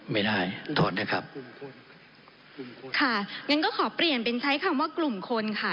ไม่ได้ถอนนะครับงั้นก็ขอเปลี่ยนเป็นใช้คำว่ากลุ่มคนค่ะ